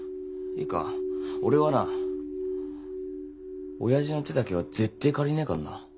いいか俺はな親父の手だけは絶対借りねえかんな。